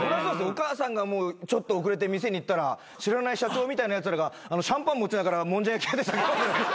お母さんがちょっと遅れて店に行ったら知らない社長みたいなやつらがシャンパン持ちながらもんじゃ焼き屋で。